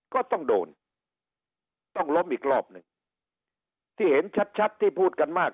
ก็ต้องโดนต้องล้มอีกรอบหนึ่งที่เห็นชัดชัดที่พูดกันมาก